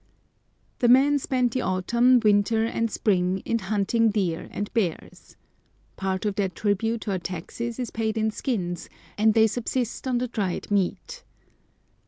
The men spend the autumn, winter, and spring in hunting deer and bears. Part of their tribute or taxes is paid in skins, and they subsist on the dried meat.